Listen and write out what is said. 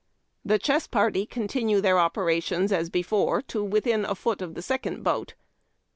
The chess party continue their operations, as before, to within a foot of the second boat.